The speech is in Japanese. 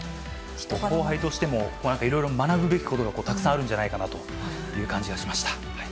後輩としてもいろいろ学ぶべきことがたくさんあるんじゃないかなという感じがしました。